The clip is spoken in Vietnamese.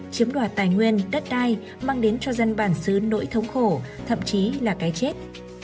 chiếm đoạt tài nguyên đất đai mang đến cho dân bản xứ nỗi thống khổ thậm chí là cái chết